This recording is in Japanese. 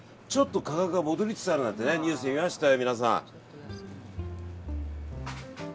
価格が戻りつつあるなんてニュースで見ましたよ。